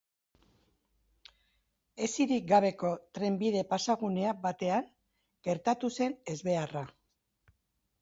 Hesirik gabeko trenbide-pasagune batean gertatu da ezbeharra.